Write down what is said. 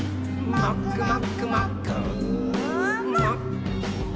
「もっくもっくもっくー」